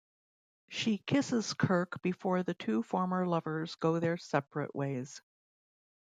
She kisses Kirk before the two former lovers go their separate ways.